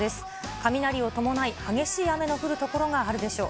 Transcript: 雷を伴い激しい雨の降る所があるでしょう。